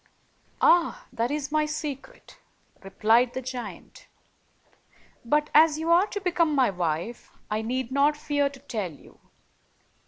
"Ah, that is my secret," replied the giant. "But as you are to become my wife, I need not fear to tell you.